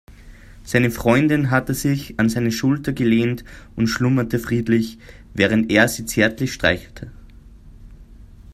Seine Freundin hatte sich an seine Schulter gelehnt und schlummerte friedlich, während er sie zärtlich streichelte.